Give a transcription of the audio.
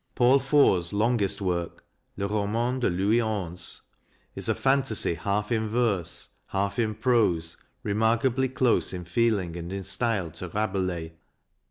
Paul Fort's longest work, " le Roman de Louis XI," is a fantasy half in verse, half in prose, remarkably close in feeling and in style to Rabelais.